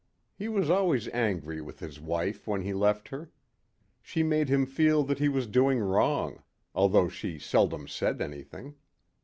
He was always angry with his wife when he left her. She made him feel that he was doing wrong, although she seldom said anything.